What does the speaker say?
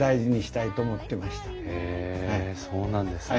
へえそうなんですね。